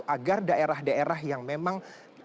agar daerah daerah yang memang